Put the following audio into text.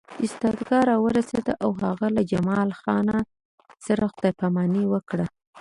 ایستګاه راورسېده او هغه له جمال خان سره خدای پاماني وکړه